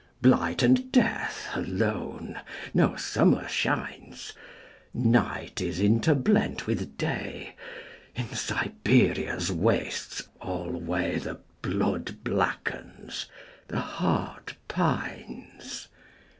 Blight and death alone.No summer shines. Night is interblent with Day.In Siberia's wastes alwayThe blood blackens, the heart pines.